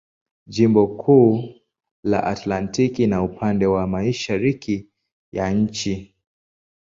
Jimbo uko la Atlantiki na upande wa mashariki ya nchi.